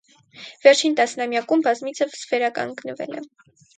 Վերջին տասնամյակներում բազմիցս վերականգնվել է։